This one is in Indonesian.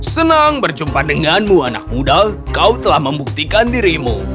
senang berjumpa denganmu anak muda kau telah membuktikan dirimu